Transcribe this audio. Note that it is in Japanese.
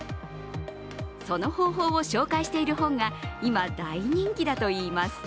その方法を紹介している本が今、大人気だといいます。